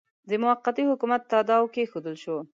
د موقتي حکومت تاداو کښېښودل شو.